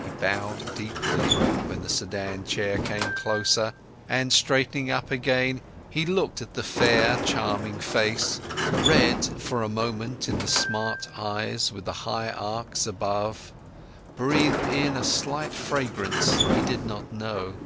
He bowed deeply, when the sedan chair came closer, and straightening up again, he looked at the fair, charming face, read for a moment in the smart eyes with the high arcs above, breathed in a slight fragrant, he did not know.